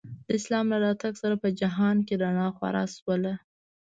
د اسلام له راتګ سره په جهان رڼا خوره شوله.